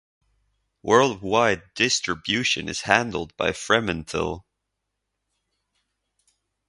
Worldwide distribution is handled by Fremantle.